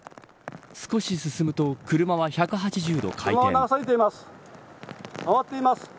少し進むと、車は１８０度回転。